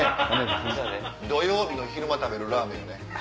土曜日の昼間食べるラーメンね。